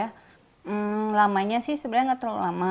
hmm lamanya sih sebenarnya nggak terlalu lama